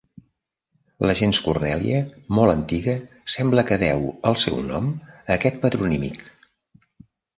La gens Cornèlia, molt antiga, sembla que deu el seu nom a aquest patronímic.